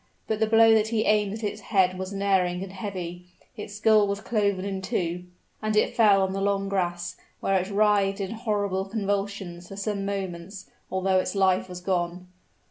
But the blow that he aimed at its head was unerring and heavy; its skull was cloven in two and it fell on the long grass, where it writhed in horrible convulsions for some moments, although its life was gone.